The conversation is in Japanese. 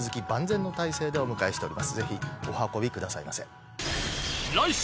ぜひお運びくださいませ。